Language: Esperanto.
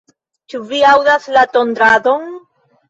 Ĉu vi aŭdas la tondradon?